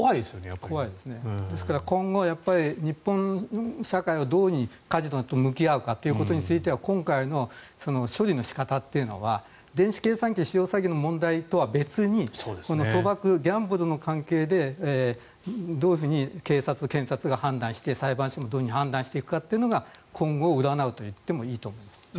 今後、日本社会がどうカジノと向き合うかということについては今回の処理の仕方というのは電子計算機使用詐欺の問題とは別に賭博、ギャンブルの関係でどういうふうに検察、警察が判断して裁判所もどう判断するのかが今後を占うといってもいいと思います。